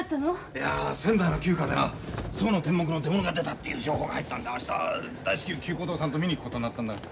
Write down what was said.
いや仙台の旧家でな宋の天目の出物が出たっていう情報が入ったんで明日大至急汲古堂さんと見に行くことになったんだが。